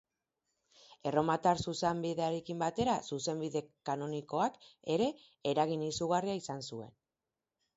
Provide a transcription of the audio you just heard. Erromatar zuzenbidearekin batera, zuzenbide kanonikoak ere eragin izugarria izan zuen.